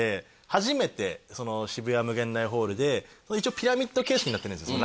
初めて渋谷∞ホールで一応ピラミッド形式になってるんですよ